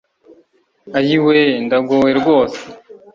Ayiwe ndagowe rwose